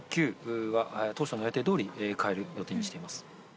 ８、９は当初の予定通り、変える予定にしています。